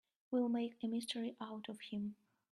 We'll make a mystery out of him.